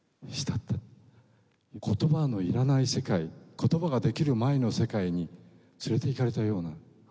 言葉のいらない世界言葉ができる前の世界に連れていかれたような。